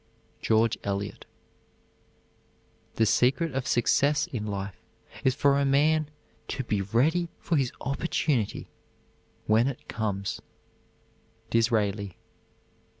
GEORGE ELIOT. The secret of success in life is for a man to be ready for his opportunity when it comes. DISRAELI.